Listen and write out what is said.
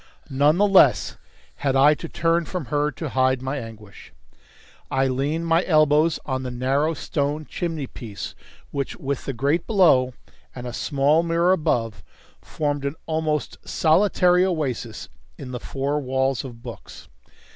None the less had I to turn from her to hide my anguish. I leaned my elbows on the narrow stone chimney piece, which, with the grate below and a small mirror above, formed an almost solitary oasis in the four walls of books.